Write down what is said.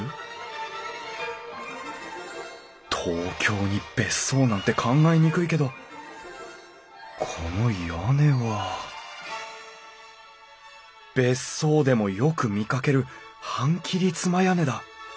東京に別荘なんて考えにくいけどこの屋根は別荘でもよく見かける半切妻屋根だ。